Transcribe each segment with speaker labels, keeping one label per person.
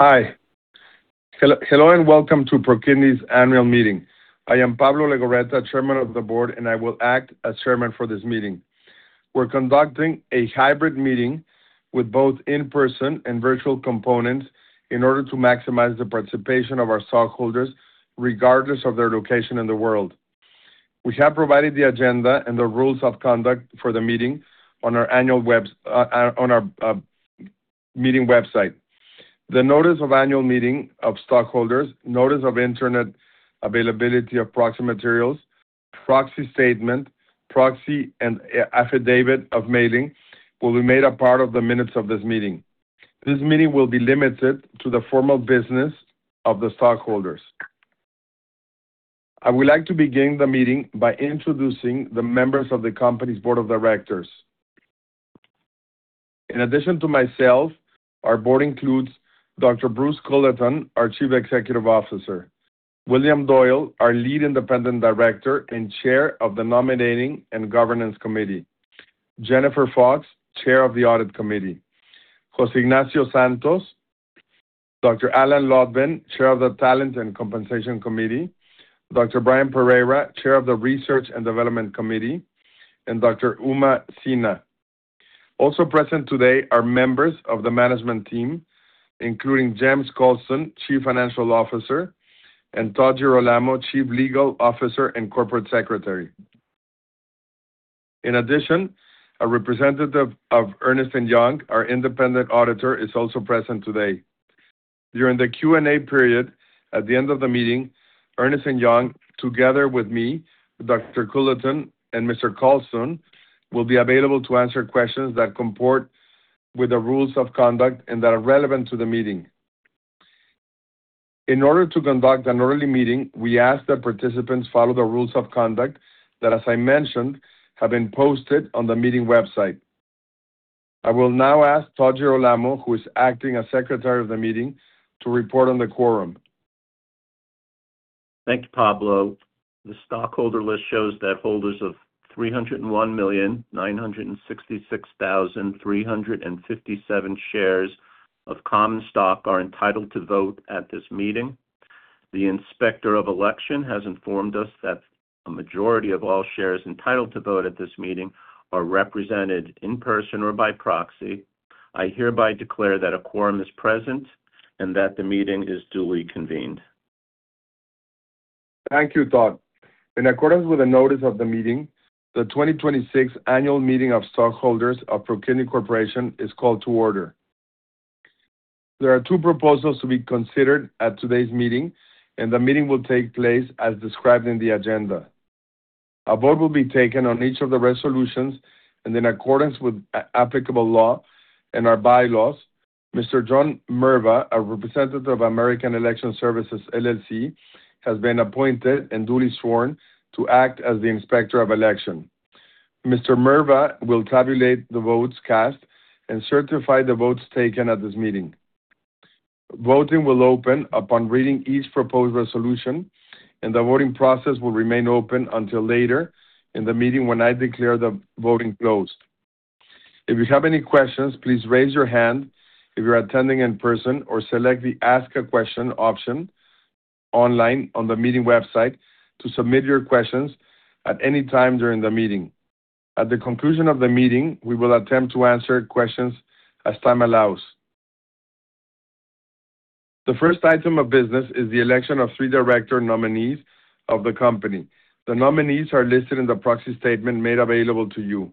Speaker 1: Hi. Hello, and welcome to ProKidney's annual meeting. I am Pablo Legorreta, Chairman of the Board, and I will act as chairman for this meeting. We're conducting a hybrid meeting with both in-person and virtual components in order to maximize the participation of our stockholders regardless of their location in the world. We have provided the agenda and the rules of conduct for the meeting on our meeting website. The notice of annual meeting of stockholders, notice of internet availability of proxy materials, proxy statement, proxy, and affidavit of meeting will be made a part of the minutes of this meeting. This meeting will be limited to the formal business of the stockholders. I would like to begin the meeting by introducing the members of the company's board of directors. In addition to myself, our board includes Dr. Bruce Culleton, our Chief Executive Officer, William Doyle, our Lead Independent Director and Chair of the Nominating and Corporate Governance Committee, Jennifer Fox, Chair of the Audit Committee, José Ignacio Jiménez Santos, Dr. Alan Lotvin, Chair of the Talent and Compensation Committee, Dr. Brian Pereira, Chair of the Research & Development Committee, and Dr. Uma Sinha. Also present today are members of the management team, including James Coulston, Chief Financial Officer, and Todd Girolamo, Chief Legal Officer and Corporate Secretary. In addition, a representative of Ernst & Young, our independent auditor, is also present today. During the Q&A period at the end of the meeting, Ernst & Young, together with me, Dr. Culleton, and Mr. Coulston, will be available to answer questions that comport with the rules of conduct and that are relevant to the meeting. In order to conduct an orderly meeting, we ask that participants follow the rules of conduct that, as I mentioned, have been posted on the meeting website. I will now ask Todd Girolamo, who is acting as Secretary of the meeting, to report on the quorum.
Speaker 2: Thanks, Pablo. The stockholder list shows that holders of 301,966,357 shares of common stock are entitled to vote at this meeting. The Inspector of Election has informed us that a majority of all shares entitled to vote at this meeting are represented in person or by proxy. I hereby declare that a quorum is present and that the meeting is duly convened.
Speaker 1: Thank you, Todd. In accordance with the notice of the meeting, the 2026 annual meeting of stockholders of ProKidney Corporation is called to order. There are two proposals to be considered at today's meeting, and the meeting will take place as described in the agenda. A vote will be taken on each of the resolutions, and in accordance with applicable law and our bylaws, Mr. John R. Merva, a representative of American Election Services, LLC, has been appointed and duly sworn to act as the Inspector of Election. Mr. Merva will tabulate the votes cast and certify the votes taken at this meeting. Voting will open upon reading each proposed resolution, and the voting process will remain open until later in the meeting when I declare the voting closed. If you have any questions, please raise your hand if you're attending in person or select the Ask a Question option online on the meeting website to submit your questions at any time during the meeting. At the conclusion of the meeting, we will attempt to answer questions as time allows. The first item of business is the election of three director nominees of the company. The nominees are listed in the proxy statement made available to you.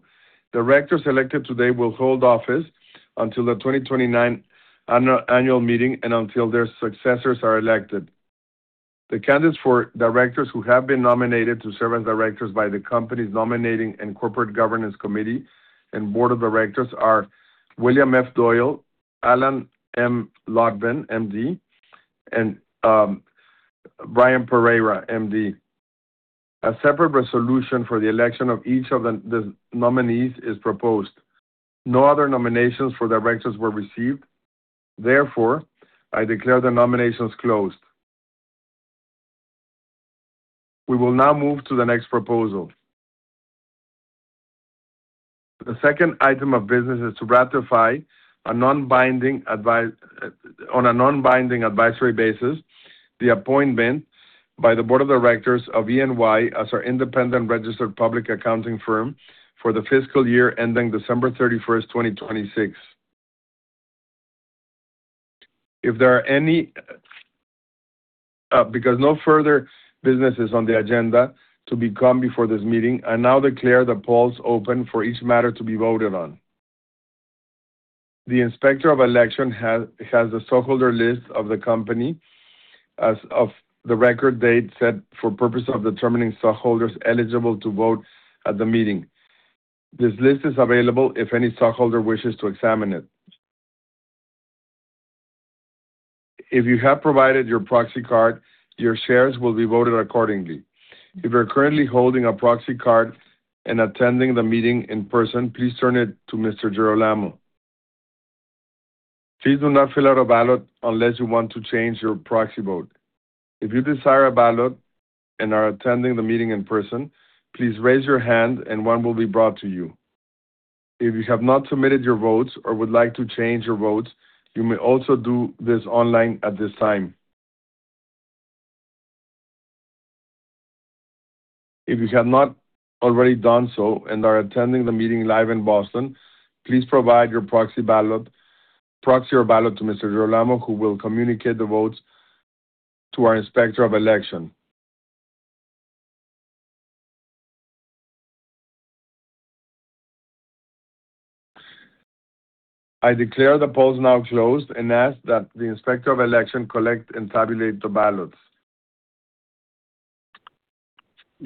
Speaker 1: Directors elected today will hold office until the 2029 annual meeting and until their successors are elected. The candidates for directors who have been nominated to serve as directors by the company's Nominating and Corporate Governance Committee and Board of Directors are William F. Doyle, Alan M. Lotvin, MD, and Brian Pereira, MD. A separate resolution for the election of each of the nominees is proposed. No other nominations for directors were received. I declare the nominations closed. We will now move to the next proposal. The second item of business is to ratify on a non-binding advisory basis the appointment by the board of directors of E&Y as our independent registered public accounting firm for the fiscal year ending December 31st, 2026. No further business is on the agenda to become before this meeting, I now declare the polls open for each matter to be voted on. The Inspector of Election has the stockholder list of the company as of the record date set for purpose of determining stockholders eligible to vote at the meeting. This list is available if any stockholder wishes to examine it. If you have provided your proxy card, your shares will be voted accordingly. If you're currently holding a proxy card and attending the meeting in person, please turn it to Mr. Girolamo. Please do not fill out a ballot unless you want to change your proxy vote. If you desire a ballot and are attending the meeting in person, please raise your hand and one will be brought to you. If you have not submitted your votes or would like to change your votes, you may also do this online at this time. If you have not already done so and are attending the meeting live in Boston, please provide your proxy or ballot to Mr. Girolamo, who will communicate the votes to our Inspector of Election. I declare the polls now closed and ask that the Inspector of Election collect and tabulate the ballots.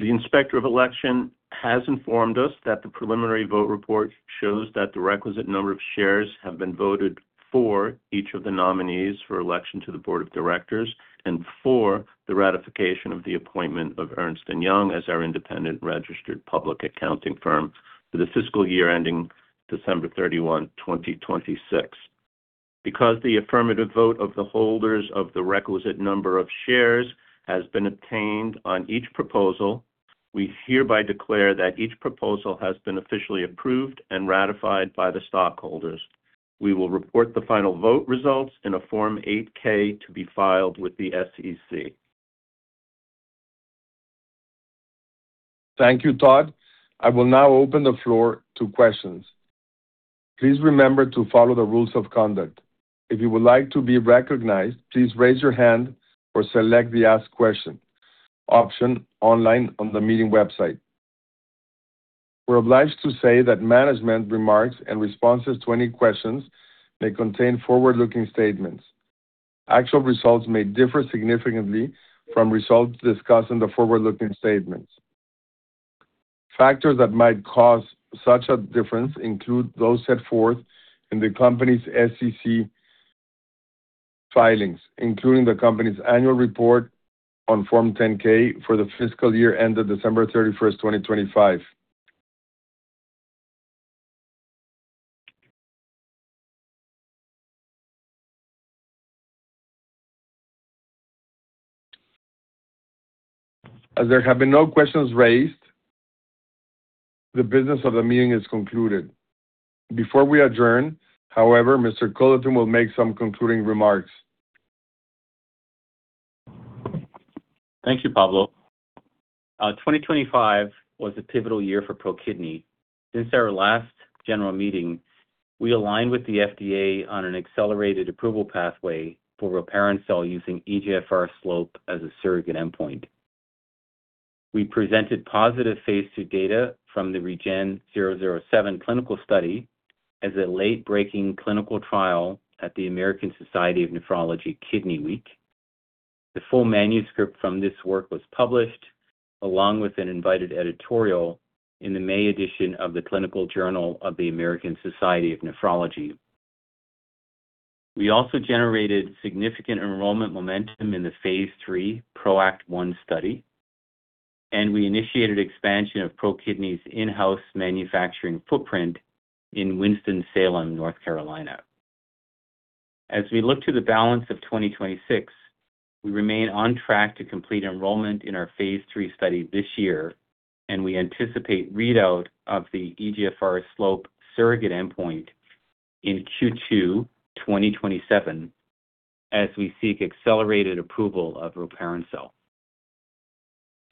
Speaker 2: The Inspector of Election has informed us that the preliminary vote report shows that the requisite number of shares have been voted for each of the nominees for election to the board of directors and for the ratification of the appointment of Ernst & Young as our independent registered public accounting firm for the fiscal year ending December 31, 2026. Because the affirmative vote of the holders of the requisite number of shares has been obtained on each proposal, we hereby declare that each proposal has been officially approved and ratified by the stockholders. We will report the final vote results in a Form 8-K to be filed with the SEC.
Speaker 1: Thank you, Todd. I will now open the floor to questions. Please remember to follow the rules of conduct. If you would like to be recognized, please raise your hand or select the Ask Question option online on the meeting website. We're obliged to say that management remarks and responses to any questions may contain forward-looking statements. Actual results may differ significantly from results discussed in the forward-looking statements. Factors that might cause such a difference include those set forth in the company's SEC filings, including the company's annual report on Form 10-K for the fiscal year ended December 31st, 2025. As there have been no questions raised, the business of the meeting is concluded. Before we adjourn, however, Mr. Culleton will make some concluding remarks.
Speaker 3: Thank you, Pablo. 2025 was a pivotal year for ProKidney. Since our last general meeting, we aligned with the FDA on an accelerated approval pathway for rilparencel using eGFR slope as a surrogate endpoint. We presented positive Phase II data from the REGEN-007 clinical study as a late-breaking clinical trial at the American Society of Nephrology Kidney Week. The full manuscript from this work was published, along with an invited editorial in the May edition of the Clinical Journal of the American Society of Nephrology. We also generated significant enrollment momentum in the Phase III PROACT 1 study, and we initiated expansion of ProKidney's in-house manufacturing footprint in Winston-Salem, North Carolina. As we look to the balance of 2026, we remain on track to complete enrollment in our Phase III study this year, and we anticipate readout of the eGFR slope surrogate endpoint in Q2 2027 as we seek accelerated approval of rilparencel.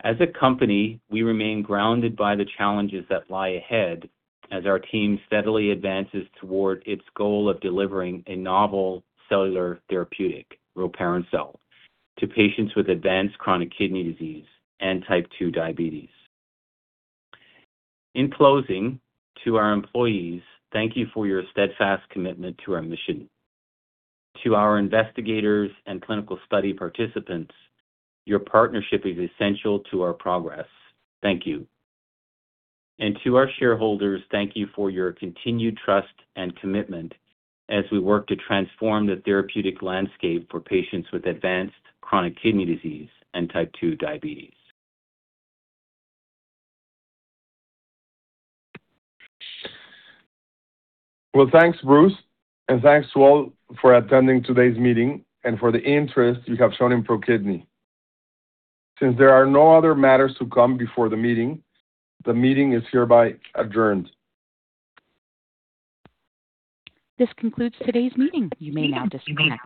Speaker 3: As a company, we remain grounded by the challenges that lie ahead as our team steadily advances toward its goal of delivering a novel cellular therapeutic, rilparencel, to patients with advanced chronic kidney disease and Type 2 diabetes. In closing, to our employees, thank you for your steadfast commitment to our mission. To our investigators and clinical study participants, your partnership is essential to our progress. Thank you. To our shareholders, thank you for your continued trust and commitment as we work to transform the therapeutic landscape for patients with advanced chronic kidney disease and Type 2 diabetes.
Speaker 1: Well, thanks, Bruce, and thanks to all for attending today's meeting and for the interest you have shown in ProKidney. Since there are no other matters to come before the meeting, the meeting is hereby adjourned.
Speaker 4: This concludes today's meeting. You may now disconnect.